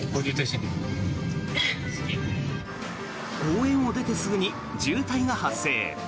公園を出てすぐに渋滞が発生。